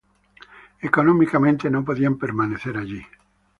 Económicamente, no podían permanecer allí.